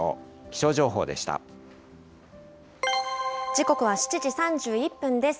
時刻は７時３１分です。